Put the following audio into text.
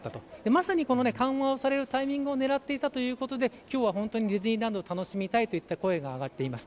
まさに緩和をされるタイミングを狙っていたということで今日は本当にディズニーランドを楽しみたいという声が上がってます。